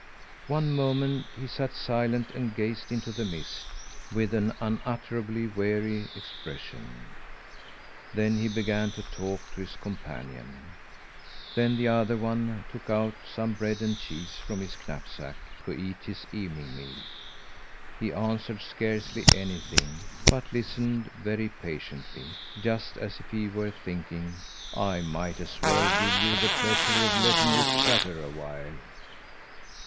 One moment he sat silent and gazed into the mist, with an unutterably weary expression. Then he began to talk to his companion. Then the other one took out some bread and cheese from his knapsack, to eat his evening meal. He answered scarcely anything, but listened very patiently, just as if he were thinking: "I might as well give you the pleasure of letting you chatter a while."